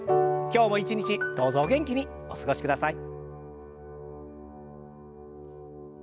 今日も一日どうぞお元気にお過ごしください。